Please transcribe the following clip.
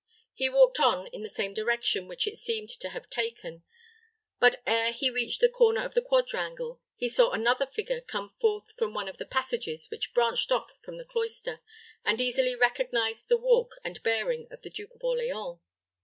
He walked on in the same direction which it seemed to have taken, but, ere he reached the corner of the quadrangle, he saw another figure come forth from one of the passages which branched off from the cloister, and easily recognized the walk and bearing of the Duke of Orleans.